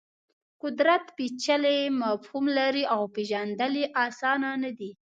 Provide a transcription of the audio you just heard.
قدرت پېچلی مفهوم لري او پېژندل یې اسان نه دي.